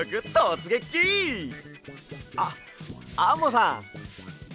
あっアンモさん。